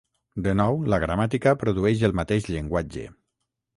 De nou, la gramàtica produeix el mateix llenguatge.